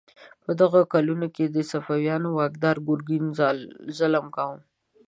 په دغو کلونو کې د صفویانو واکدار ګرګین ظلم کاوه.